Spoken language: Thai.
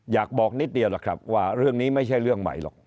อยากบอกนิดเดียวล่ะครับว่าเรื่องนี้ไม่ใช่เรื่องใหม่หรอก